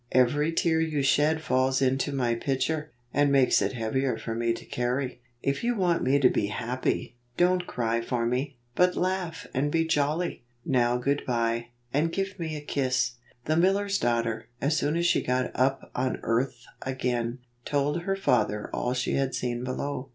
Every tear you shed falls into my pitcher, and makes it heavier for me to carry. If you want me to be happy, 25 don't cry for me, but laugh and be jolly. Now good by, and give me a kiss." The miller's daughter, as soon as she got up on earth again, told her father all she had seen below.